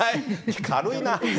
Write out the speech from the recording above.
軽いな。